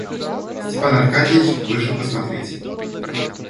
Степан Аркадьич вышел посмотреть.